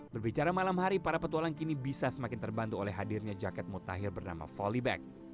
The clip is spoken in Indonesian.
berbicara malam hari para petualang kini bisa semakin terbantu oleh hadirnya jaket mutakhir bernama volleybag